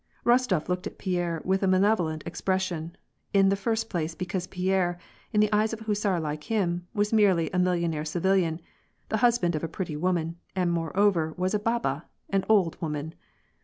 Bostof looked at Pierre with a malevolent expression, in the first place because Pierre, in the eyes of a hussar like him, was merely a millionaire civilian, the hus band of a pretty woman, and moreover was a haha — an old woman